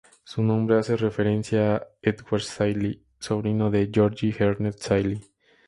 Su nombre hace referencia a Edward Shelley, sobrino de George Ernest Shelley.